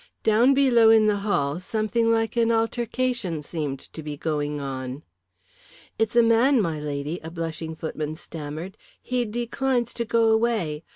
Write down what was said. Down below in the hall something like an altercation seemed to be going on. "It's a man, my lady," a blushing footman stammered. "He declines to go away.